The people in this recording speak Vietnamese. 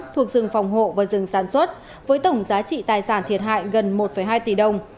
thuộc rừng phòng hộ và rừng sản xuất với tổng giá trị tài sản thiệt hại gần một hai tỷ đồng